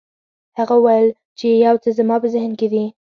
هغه وویل چې یو څه زما په ذهن کې دي.